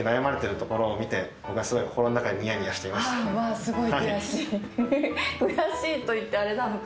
悔しいと言ってあれなのか。